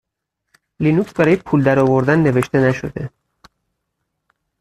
لینوکس برای پول درآوردن نوشته نشده.